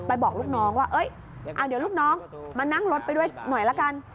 บอกลูกน้องว่าเดี๋ยวลูกน้องมานั่งรถไปด้วยหน่อยละกัน